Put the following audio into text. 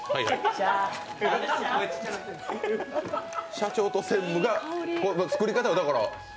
社長と専務が作り方を？